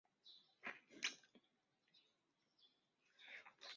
他于藏历火马年生于卫堆奔珠宗地方。